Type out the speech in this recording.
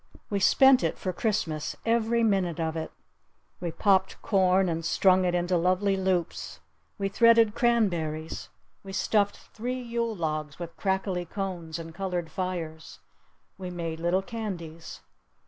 We spent it for Christmas. Every minute of it. We popped corn and strung it into lovely loops. We threaded cranberries. We stuffed three Yule logs with crackly cones and colored fires. We made little candies.